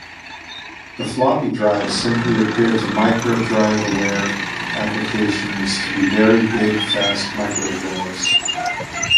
The floppy drives simply appeared to Microdrive-aware applications to be very big, fast Microdrives.